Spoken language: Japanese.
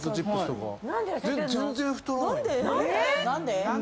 何で？